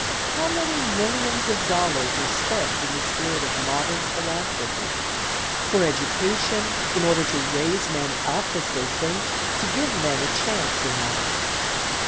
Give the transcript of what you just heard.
How many millions of dollars are spent in the spirit of modern philanthropy? For education, in order to raise men up as they think, to give men a chance in life.